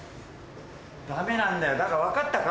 ダメなんだよだから分かったか？